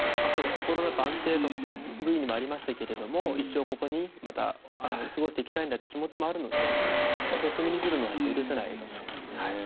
心の安定とさっきＶＴＲにもありましたが一生ここで過ごしていきたいんだという気持ちもあるのでそれを踏みにじるのは許せないですね。